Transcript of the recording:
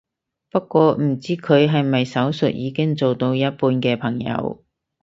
不過唔知佢係咪手術已經做到一半嘅朋友